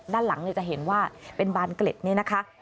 ด้านหลังจะเห็นว่าเป็นบานเกล็ดนี่นะคะ